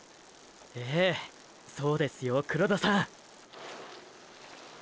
ええそうですよ黒田さん！